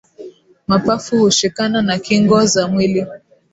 Mapafu hushikana na kingo za mwili